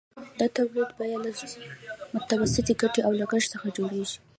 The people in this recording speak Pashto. د تولید بیه له متوسطې ګټې او لګښت څخه جوړېږي